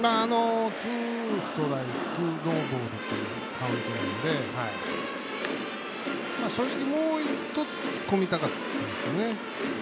ツーストライクノーボールというカウントなんで正直、もう一つ突っ込みたかったんですよね。